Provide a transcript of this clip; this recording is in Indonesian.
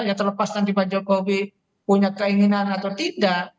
ya terlepas nanti pak jokowi punya keinginan atau tidak